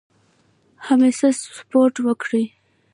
همیشه سپورټ وکړئ.